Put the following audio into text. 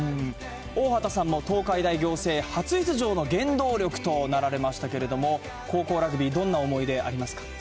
大畑さんも、東海大仰星、初出場の原動力となられましたけれども、高校ラグビー、どんな思い出がありますか。